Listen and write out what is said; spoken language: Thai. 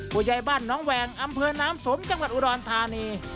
ผู้ใหญ่บ้านน้องแหวงอำเภอน้ำสมจังหวัดอุดรธานี